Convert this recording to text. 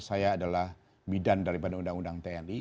saya adalah bidan dari pada undang undang tni